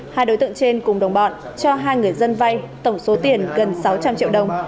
hai đối tượng trên cùng đồng bọn cho hai người dân vay tổng số tiền gần sáu trăm linh triệu đồng